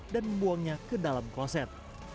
dan membuangnya ke dalam kloset